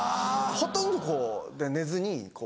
ほとんど寝ずに。